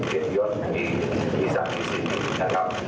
คิดยศที่ที่สามที่สี่นะครับ